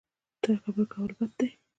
تکبر کول بد دي